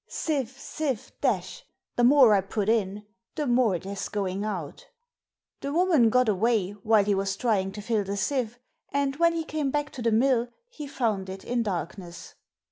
Sieve, sieve, dash! The more I put in, The more there's going out. The woman got away while he was trying to fill the sieve, and when he came back to the mill he found it in darkness.